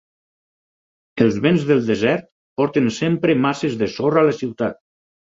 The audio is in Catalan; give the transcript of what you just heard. Els vents del desert porten sempre masses de sorra a la ciutat.